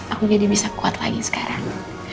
aku jadi bisa kuat lagi sekarang